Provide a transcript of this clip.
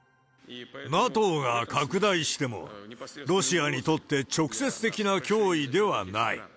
ＮＡＴＯが拡大しても、ロシアにとって直接的な脅威ではない。